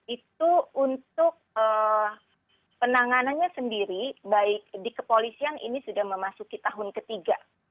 itu untuk penanganannya sendiri baik di kepolisian ini sudah memasuki tahun ketiga